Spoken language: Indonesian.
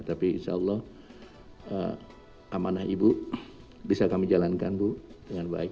tapi insya allah amanah ibu bisa kami jalankan bu dengan baik